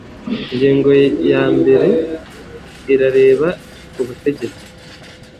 ingingo yamber irareba ubutegetsi.